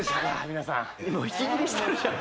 皆さんもう息切れしてるじゃん